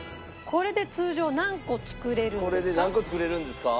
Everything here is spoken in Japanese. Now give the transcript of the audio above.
これで何個作れるんですか？